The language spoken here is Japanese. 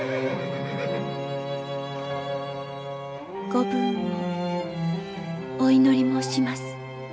ご武運をお祈り申します。